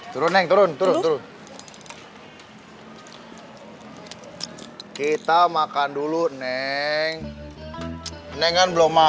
dia kalau menjelang dia mau lihat dirimu